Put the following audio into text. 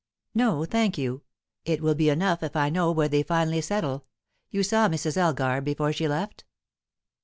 "No, thank you. It will be enough if I know where they finally settle. You saw Mrs. Elgar before she left?"